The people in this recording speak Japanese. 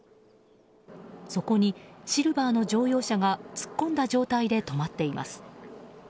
そこにシルバーの乗用車が突っ込んだ状態で止まっています。